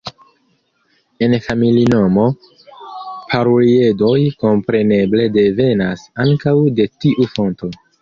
La familinomo, Paruliedoj, kompreneble devenas ankaŭ de tiu fonto.